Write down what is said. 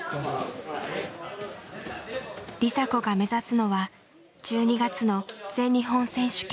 梨紗子が目指すのは１２月の全日本選手権。